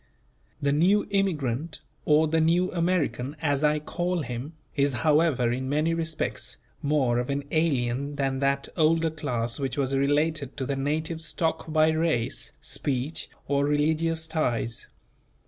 The new immigrant, or the new American, as I call him, is however in many respects, more of an alien than that older class which was related to the native stock by race, speech, or religious ties.